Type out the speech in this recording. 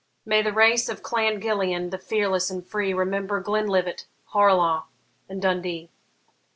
May the race of Clan Gillean, the fearless and free, Remember Glenlivat, Harlaw, and Dundee!